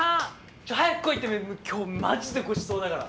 ちょ早く来いって今日マジでごちそうだから！